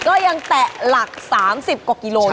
ก็ยังแตะหลัก๓๐กว่ากิโล